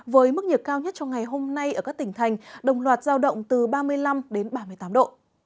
với mức nhiệt cao nhất trong ngày hôm nay ở các tỉnh thành đồng loạt giao động từ ba mươi năm đến ba mươi tám độ